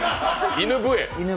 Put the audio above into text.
犬笛？